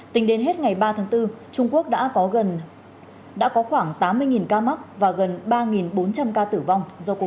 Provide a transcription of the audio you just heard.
tính đến hết ngày ba tháng bốn trung quốc đã có khoảng tám mươi ca mắc và gần ba bốn trăm linh ca tử vong do covid một mươi chín